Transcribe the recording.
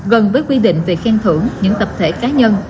gần với quy định về khen thưởng những tập thể cá nhân